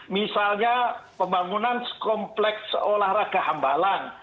misalnya pembangunan kompleks olahraga hambalan